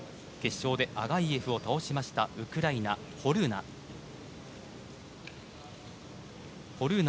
決勝でアガイェフを倒したウクライナのホルーナ。